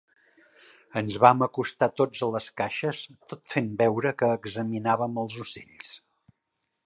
Ens vam acostar tots a les caixes, tot fent veure que examinàvem els ocells.